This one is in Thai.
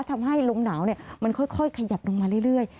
ทำให้ลมหนาวมันค่อยขยับลงมาเรื่อย